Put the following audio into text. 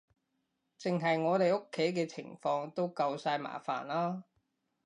淨係我哋屋企嘅情況都夠晒麻煩喇